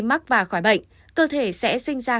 mắc và khỏi bệnh cơ thể sẽ sinh ra